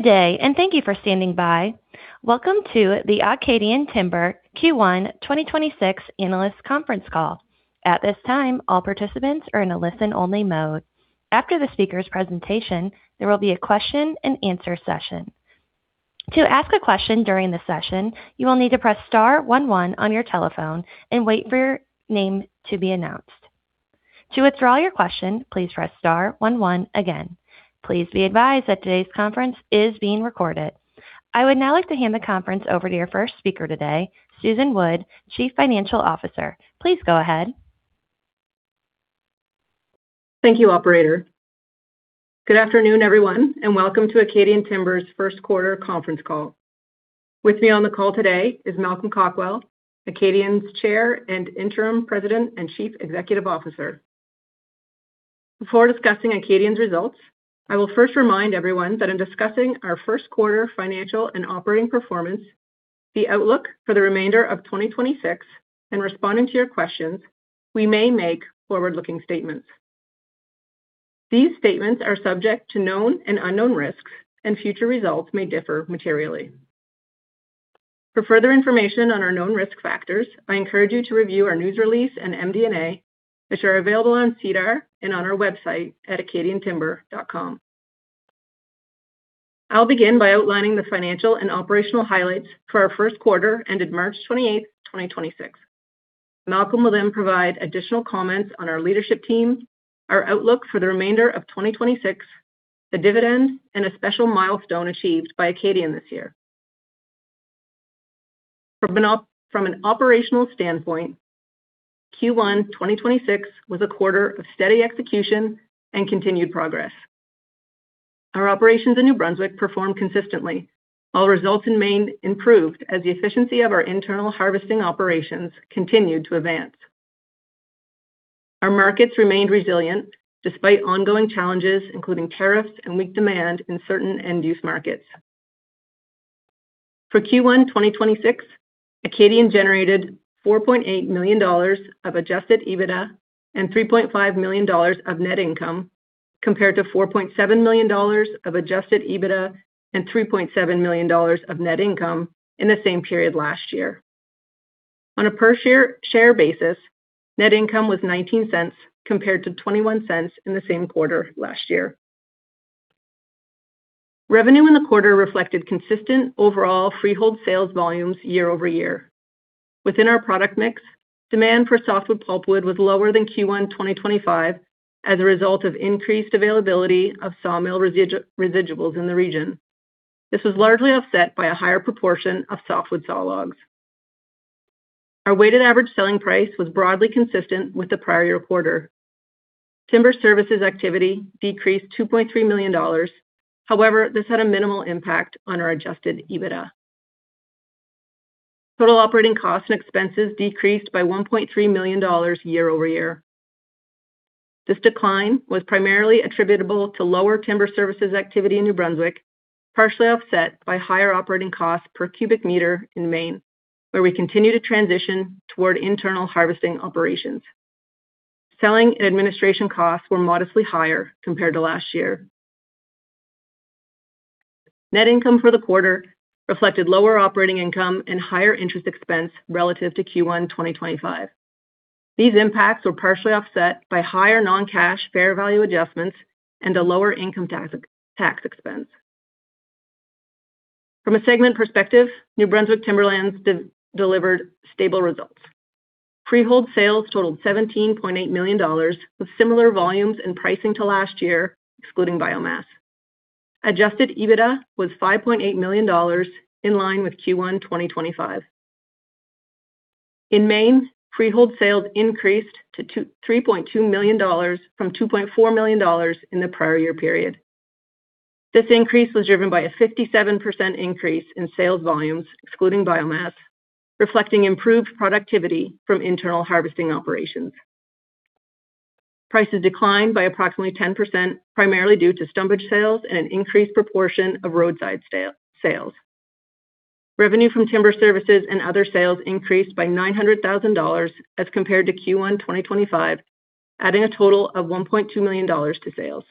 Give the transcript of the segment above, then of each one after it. [Good day], and thank you for standing by. Welcome to the Acadian Timber Q1 2026 analyst conference call. At this time, all participants are in a listen-only mode. After the speaker's presentation, there will be a Question-and-Answer session. To ask a question during the session, you will need to press star one one on your telephone and wait for your name to be announced. To withdraw your question, please press star one one again. Please be advised that today's conference is being recorded. I would now like to hand the conference over to your first speaker today, Susan Wood, Chief Financial Officer. Please go ahead. Thank you, operator. Good afternoon, everyone, and welcome to Acadian Timber's first quarter conference call. With me on the call today is Malcolm Cockwell, Acadian's Chairman and Interim President and Chief Executive Officer. Before discussing Acadian's results, I will first remind everyone that in discussing our first quarter financial and operating performance, the outlook for the remainder of 2026, and responding to your questions, we may make forward-looking statements. These statements are subject to known and unknown risks, and future results may differ materially. For further information on our known risk factors, I encourage you to review our news release and MD&A, which are available on SEDAR and on our website at acadiantimber.com. I'll begin by outlining the financial and operational highlights for our first quarter ended March 28th, 2026. Malcolm will then provide additional comments on our leadership team, our outlook for the remainder of 2026, the dividend, and a special milestone achieved by Acadian this year. From an operational standpoint, Q1 2026 was a quarter of steady execution and continued progress. Our operations in New Brunswick performed consistently, while results in Maine improved as the efficiency of our internal harvesting operations continued to advance. Our markets remained resilient despite ongoing challenges, including tariffs and weak demand in certain end-use markets. For Q1 2026, Acadian generated 4.8 million dollars of adjusted EBITDA and 3.5 million dollars of net income, compared to 4.7 million dollars of adjusted EBITDA and 3.7 million dollars of net income in the same period last year. On a per share basis, net income was 0.19 compared to 0.21 in the same quarter last year. Revenue in the quarter reflected consistent overall freehold sales volumes year-over-year. Within our product mix, demand for softwood pulpwood was lower than Q1 2025 as a result of increased availability of sawmill residuals in the region. This was largely offset by a higher proportion of softwood sawlogs. Our weighted average selling price was broadly consistent with the prior year quarter. Timber services activity decreased 2.3 million dollars. This had a minimal impact on our adjusted EBITDA. Total operating costs and expenses decreased by 1.3 million dollars year-over-year. This decline was primarily attributable to lower timber services activity in New Brunswick, partially offset by higher operating costs per cubic meter in Maine, where we continue to transition toward internal harvesting operations. Selling and administration costs were modestly higher compared to last year. Net income for the quarter reflected lower operating income and higher interest expense relative to Q1 2025. These impacts were partially offset by higher non-cash fair value adjustments and a lower income tax expense. From a segment perspective, New Brunswick Timberlands delivered stable results. Freehold sales totaled 17.8 million dollars, with similar volumes and pricing to last year, excluding biomass. Adjusted EBITDA was 5.8 million dollars, in line with Q1 2025. In Maine, freehold sales increased to 3.2 million dollars from 2.4 million dollars in the prior year period. This increase was driven by a 57% increase in sales volumes, excluding biomass, reflecting improved productivity from internal harvesting operations. Prices declined by approximately 10%, primarily due to stumpage sales and an increased proportion of roadside sales. Revenue from timber services and other sales increased by 900,000 dollars as compared to Q1 2025, adding a total of 1.2 million dollars to sales.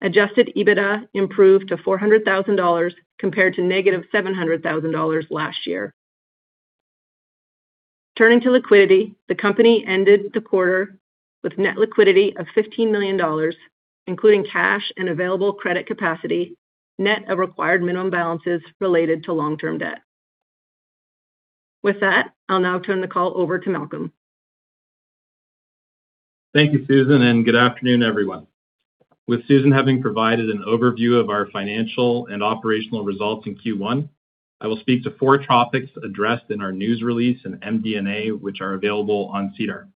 Adjusted EBITDA improved to 400,000 dollars compared to -700,000 dollars last year. Turning to liquidity, the company ended the quarter with net liquidity of 15 million dollars, including cash and available credit capacity, net of required minimum balances related to long-term debt. With that, I'll now turn the call over to Malcolm. Thank you, Susan. Good afternoon, everyone. With Susan having provided an overview of our financial and operational results in Q1, I will speak to four topics addressed in our news release and MD&A, which are available on SEDAR.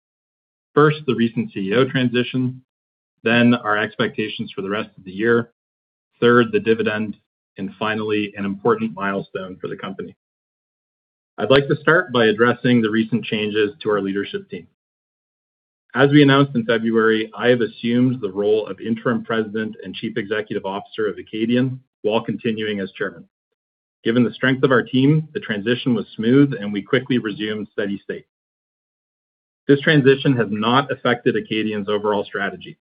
First, the recent CEO transition, then our expectations for the rest of the year, third, the dividend, and finally, an important milestone for the company. I'd like to start by addressing the recent changes to our leadership team. As we announced in February, I have assumed the role of Interim President and Chief Executive Officer of Acadian while continuing as Chairman. Given the strength of our team, the transition was smooth, and we quickly resumed steady state. This transition has not affected Acadian's overall strategy.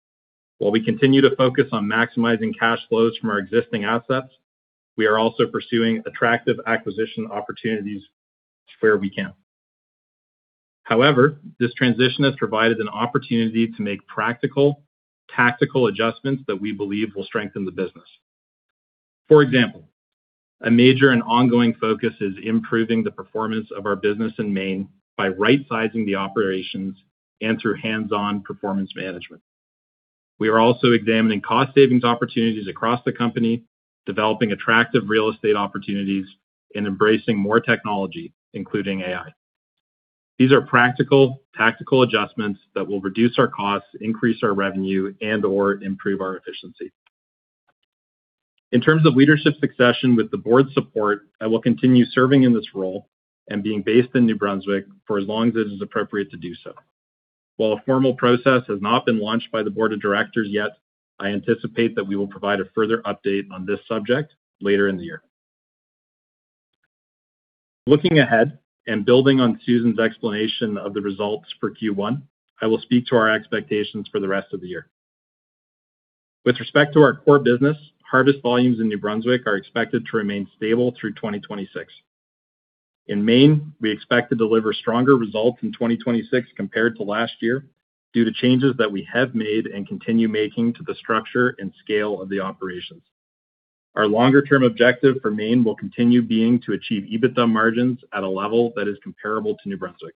While we continue to focus on maximizing cash flows from our existing assets, we are also pursuing attractive acquisition opportunities where we can. However, this transition has provided an opportunity to make practical, tactical adjustments that we believe will strengthen the business. For example, a major and ongoing focus is improving the performance of our business in Maine by right-sizing the operations and through hands-on performance management. We are also examining cost savings opportunities across the company, developing attractive real estate opportunities, and embracing more technology, including AI. These are practical, tactical adjustments that will reduce our costs, increase our revenue, and/or improve our efficiency. In terms of leadership succession with the board's support, I will continue serving in this role and being based in New Brunswick for as long as it is appropriate to do so. While a formal process has not been launched by the board of directors yet, I anticipate that we will provide a further update on this subject later in the year. Looking ahead building on Susan's explanation of the results for Q1, I will speak to our expectations for the rest of the year. With respect to our core business, harvest volumes in New Brunswick are expected to remain stable through 2026. In Maine, we expect to deliver stronger results in 2026 compared to last year due to changes that we have made and continue making to the structure and scale of the operations. Our longer-term objective for Maine will continue being to achieve EBITDA margins at a level that is comparable to New Brunswick.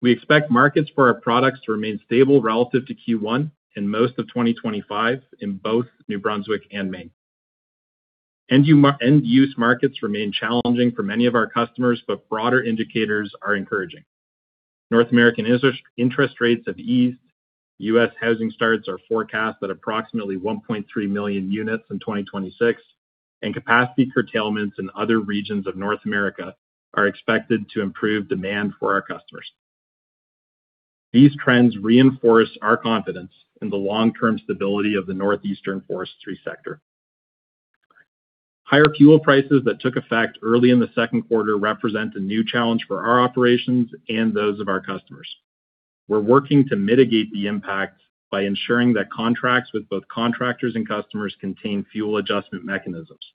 We expect markets for our products to remain stable relative to Q1 in most of 2025 in both New Brunswick and Maine. End-use markets remain challenging for many of our customers. Broader indicators are encouraging. North American interest rates have eased, U.S. housing starts are forecast at approximately 1.3 million units in 2026, and capacity curtailments in other regions of North America are expected to improve demand for our customers. These trends reinforce our confidence in the long-term stability of the Northeastern forestry sector. Higher fuel prices that took effect early in the second quarter represent a new challenge for our operations and those of our customers. We're working to mitigate the impact by ensuring that contracts with both contractors and customers contain fuel adjustment mechanisms.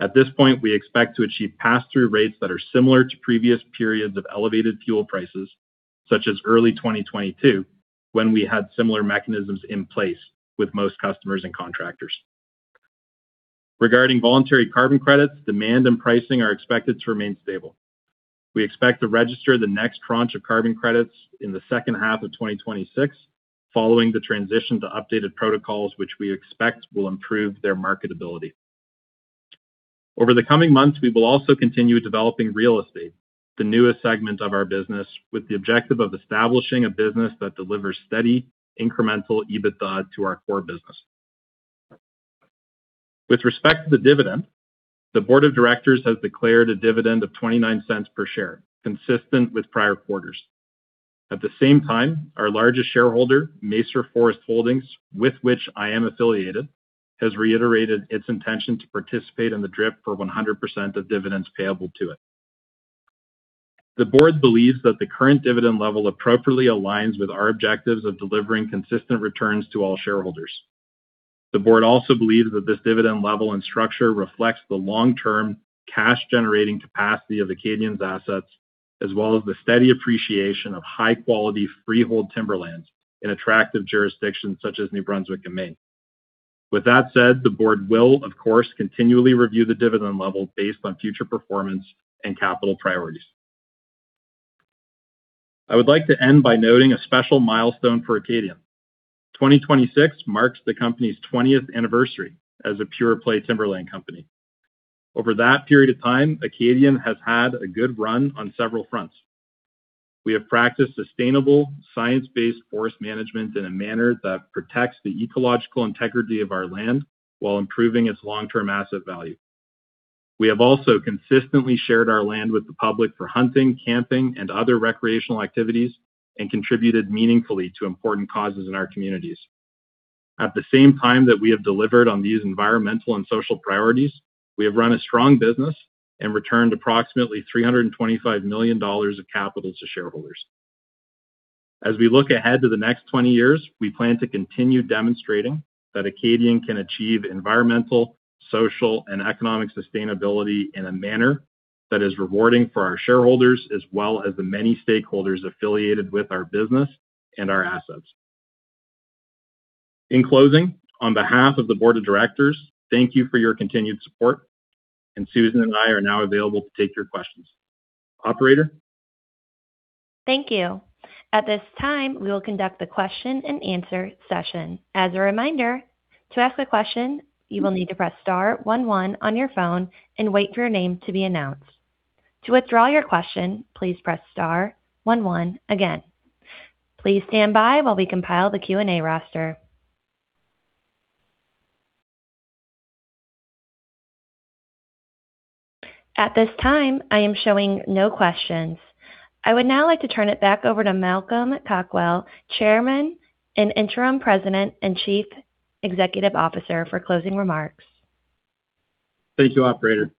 At this point, we expect to achieve pass-through rates that are similar to previous periods of elevated fuel prices, such as early 2022, when we had similar mechanisms in place with most customers and contractors. Regarding voluntary carbon credits, demand and pricing are expected to remain stable. We expect to register the next tranche of carbon credits in the second half of 2026 following the transition to updated protocols, which we expect will improve their marketability. Over the coming months, we will also continue developing real estate, the newest segment of our business, with the objective of establishing a business that delivers steady incremental EBITDA to our core business. With respect to the dividend, the board of directors has declared a dividend of 0.29 per share, consistent with prior quarters. At the same time, our largest shareholder, Macer Forest Holdings, with which I am affiliated, has reiterated its intention to participate in the DRIP for 100% of dividends payable to it. The board believes that the current dividend level appropriately aligns with our objectives of delivering consistent returns to all shareholders. The board also believes that this dividend level and structure reflects the long-term cash-generating capacity of Acadian's assets, as well as the steady appreciation of high-quality freehold timberlands in attractive jurisdictions such as New Brunswick and Maine. With that said, the board will, of course, continually review the dividend level based on future performance and capital priorities. I would like to end by noting a special milestone for Acadian. 2026 marks the company's 20th anniversary as a pure-play timberland company. Over that period of time, Acadian has had a good run on several fronts. We have practiced sustainable, science-based forest management in a manner that protects the ecological integrity of our land while improving its long-term asset value. We have also consistently shared our land with the public for hunting, camping, and other recreational activities, and contributed meaningfully to important causes in our communities. At the same time that we have delivered on these environmental and social priorities, we have run a strong business and returned approximately 325 million dollars of capital to shareholders. As we look ahead to the next 20 years, we plan to continue demonstrating that Acadian can achieve environmental, social, and economic sustainability in a manner that is rewarding for our shareholders, as well as the many stakeholders affiliated with our business and our assets. In closing, on behalf of the board of directors, thank you for your continued support, and Susan and I are now available to take your questions. Operator. Thank you. At this time, we will conduct the question-and-answer session. As a reminder, to ask a question, you will need to press star one one on your phone and wait for your name to be announced. To withdraw your question, please press star one one again. Please stand by while we compile the Q&A roster. At this time, I am showing no questions. I would now like to turn it back over to Malcolm Cockwell, Chairman and Interim President and Chief Executive Officer, for closing remarks. Thank you, operator.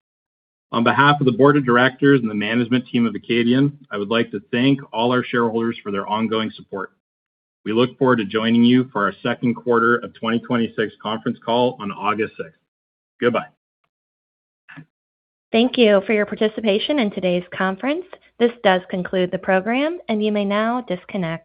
On behalf of the board of directors and the management team of Acadian, I would like to thank all our shareholders for their ongoing support. We look forward to joining you for our second quarter of 2026 conference call on August 6th. Goodbye. Thank you for your participation in today's conference. This does conclude the program, and you may now disconnect.